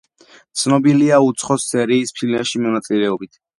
ცნობილია უცხოს სერიის ფილმებში მონაწილეობით.